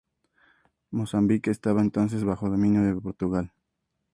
Mozambique estaba entonces bajo dominio de Portugal.